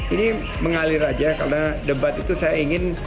ini mengalir aja karena debat itu saya ingin